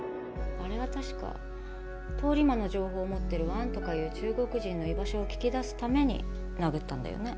あれは確か通り魔の情報を持ってる王とかいう中国人の居場所を聞き出すために殴ったんだよね？